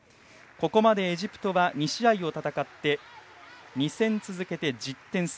ここまでエジプトは２試合を戦い２戦続けて１０点差。